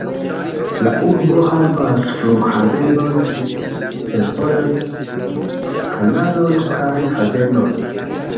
La urbo havas flughavenon, fervojon, kanalon kaj havenon.